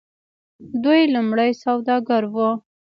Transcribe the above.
دوی لومړی سوداګر وو.